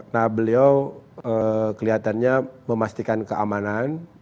nah beliau kelihatannya memastikan keamanan